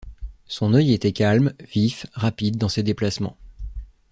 Son œil était calme, vif, rapide dans ses déplacements.